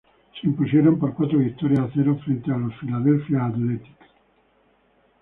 Se impusieron por cuatro victorias a cero frente a los Philadelphia Athletics.